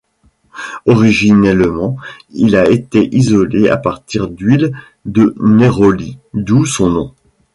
Originellement il a été isolé à partir d'huile de néroli, d'où son nom.